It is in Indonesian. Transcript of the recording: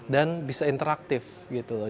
dan bisa interaktif gitu loh